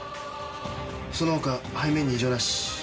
その他背面に異状なし。